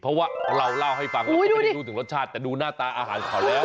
เพราะว่าเราเล่าให้ฟังเราก็ไม่ได้รู้ถึงรสชาติแต่ดูหน้าตาอาหารเขาแล้ว